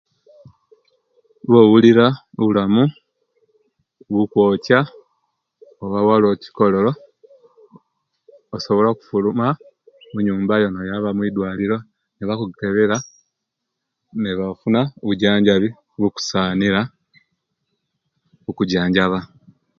Obulira obulamu bukwokya oba waliwo ekikolo osobala okufuluma muyunbayo noyaba mudwaliro nibakukebera nibafuna obwijanjabi obukusanira okujanjaba